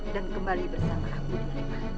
dan kembali bersama aku dengan ranti